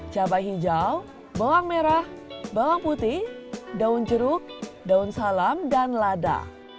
cabai hijau bawang merah bawang putih daun jeruk daun salam dan lada